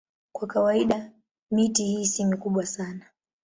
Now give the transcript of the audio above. Kwa kawaida miti hii si mikubwa sana.